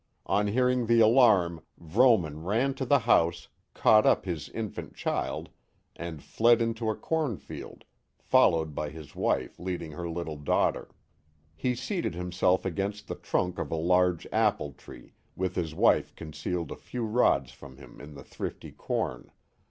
On hearing the alarm Vrooman ran to the house, caught up his infant child, and fled into a cornfield, followed by his wife leading her little daughter. He seated himself against the trunk of a large apple tree, with his wife concealed a few rods from him in the thrifty corn.